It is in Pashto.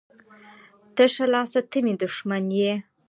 ـ تشه لاسه ته مې دښمن یې.